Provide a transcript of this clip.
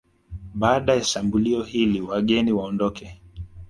Baada ya shambulio hili wageni waondoke